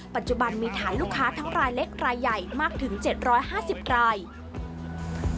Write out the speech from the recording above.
ปัจจุบันมีฐานลูกค้าทั้งรายเล็กรายใหญ่มากถึง๗๕๐ราย